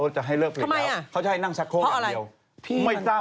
จะให้เลิกเอา